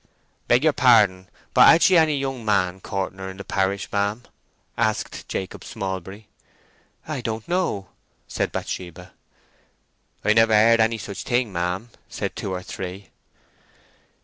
"I beg yer pardon, but had she any young man courting her in the parish, ma'am?" asked Jacob Smallbury. "I don't know," said Bathsheba. "I've never heard of any such thing, ma'am," said two or three.